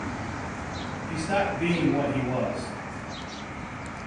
He stopped being what he was.